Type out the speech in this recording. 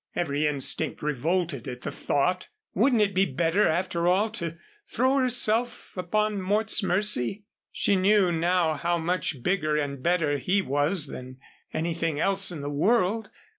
Every instinct revolted at the thought. Wouldn't it be better after all to throw herself upon Mort's mercy? She knew now how much bigger and better he was than anything else in the world.